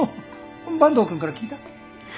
坂東くんから聞いた？